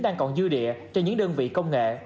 đang còn dư địa cho những đơn vị công nghệ